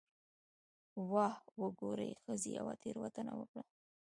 'واه وګورئ، ښځې یوه تېروتنه وکړه'.